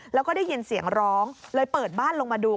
แล้วก็ได้ยินเสียงร้องเลยเปิดบ้านลงมาดู